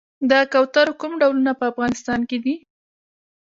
د کوترو کوم ډولونه په افغانستان کې دي؟